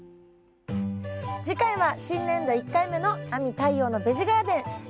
次回は新年度１回目の「亜美＆太陽のベジガーデン」